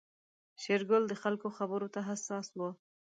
شېرګل د خلکو خبرو ته حساس و.